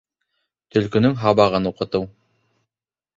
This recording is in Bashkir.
Төлкөнөң һабағын уҡытыу